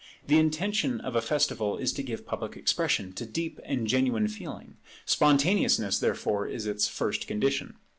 The intention of a festival is to give public expression to deep and genuine feeling; spontaneousness therefore is its first condition.